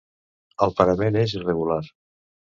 El parament és irregular.